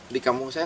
di kampung saya